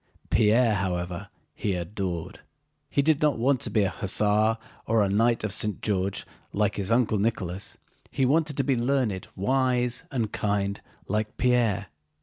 Pierre, however, he adored. He did not want to be an hussar or a Knight of St. George like his uncle Nicholas; he wanted to be learned, wise, and kind like Pierre.